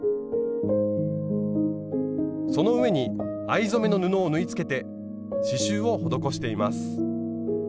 その上に藍染めの布を縫いつけて刺しゅうを施しています。